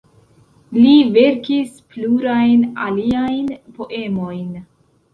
Li verkis plurajn aliajn poemojn.